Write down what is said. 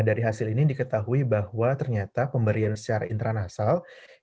dari hasil ini diketahui bahwa ternyata pemberian secara intranasal